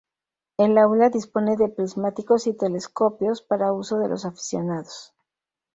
El aula dispone de prismáticos y telescopios para uso de los aficionados.